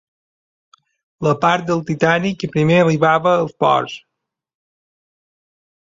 La part del Titànic que primer arribava als ports.